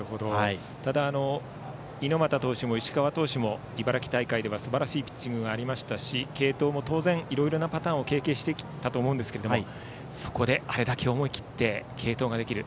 ただ猪俣投手も石川投手も茨城大会ではすばらしいピッチングがありましたし継投も当然いろいろなパターンを経験してきたと思うんですけどそこであれだけ思い切って継投ができる。